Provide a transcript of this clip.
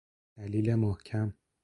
دلیل محکم